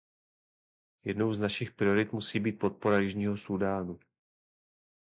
Jednou z našich priorit musí být podpora Jižního Súdánu.